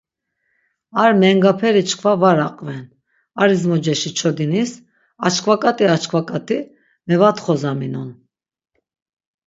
Ar mengaperi çkva var aqven ar izmoceşi çodinis, açkvaǩati açkvaǩati mevatxozaminon.